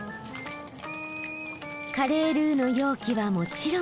カレールーの容器はもちろん。